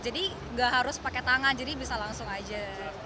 jadi nggak harus pakai tangan jadi bisa langsung aja